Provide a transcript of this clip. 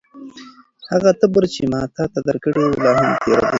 هغه تبر چې ما تاته درکړی و، لا هم تېره دی؟